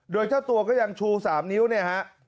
โดยเจ้าตัวก็ยังชู๓นิ้วเนี่ยฮะ